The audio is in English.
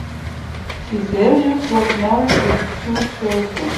Tiselius was married, with two children.